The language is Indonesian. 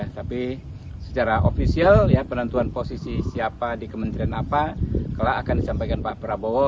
tapi secara ofisial ya penentuan posisi siapa di kementerian apa akan disampaikan pak prabowo